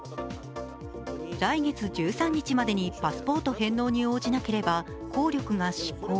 来月１３日までにパスポート返納に応じなければ、効力が失効。